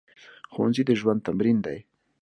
ښوونځی د ژوند تمرین دی